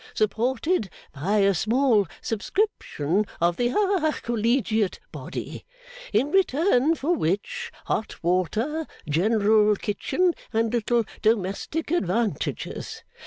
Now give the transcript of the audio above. Supported by a small subscription of the ha Collegiate body. In return for which hot water general kitchen and little domestic advantages.